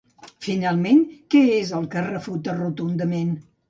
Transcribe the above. Finalment, què és el que refuta rotundament?